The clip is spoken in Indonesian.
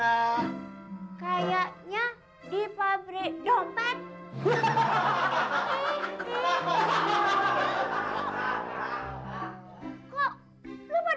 kayaknya di pabrik dompet